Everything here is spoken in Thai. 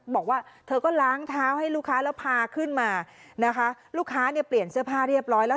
บอกว่าเธอก็ล้างเท้าให้ลูกค้าแล้วพาขึ้นมานะคะลูกค้าเนี่ยเปลี่ยนเสื้อผ้าเรียบร้อยแล้ว